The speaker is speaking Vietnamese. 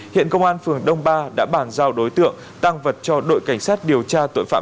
hiện công an phường đông ba đã bàn giao đối tượng tăng vật cho đội cảnh sát điều tra tội phạm